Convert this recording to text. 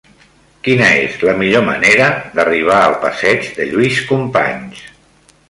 Quina és la millor manera d'arribar al passeig de Lluís Companys?